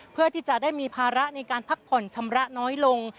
เพื่อที่จะได้มีภาระในการพักผ่อนชำระน้อยลง